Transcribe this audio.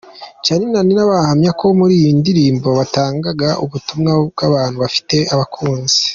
Charly na Nina bahamya ko muri iyi ndirimbo batangaga ubutumwa ku bantu bafite abakunzi .